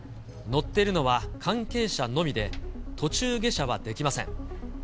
乗っているのは関係者のみで、途中下車はできません。